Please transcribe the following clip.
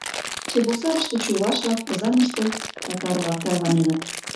Чебоксарыште чуваш-влак, Озаҥыште татар-влак тарваненыт.